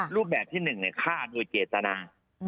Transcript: รูปแบบที่หนึ่งเนี่ยฆ่าด้วยเจตนา